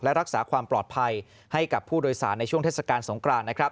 และรักษาความปลอดภัยให้กับผู้โดยสารในช่วงเทศกาลสงครานนะครับ